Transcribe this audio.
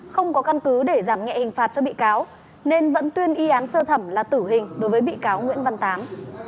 không có căn cứ để giảm nhẹ hình phạt cho bị cáo nên vẫn tuyên y án sơ thẩm là tử hình đối với bị cáo nguyễn văn tám